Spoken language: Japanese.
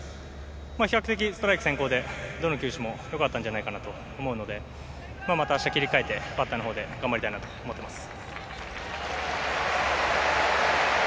比較的ストライク先行でどの球種もよかったんじゃないかと思うのでまた明日切り替えて、バッターの方で頑張りたいと思います。